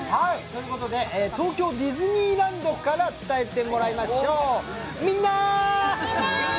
東京ディズニーランドから伝えてもらいましょう、みんなー！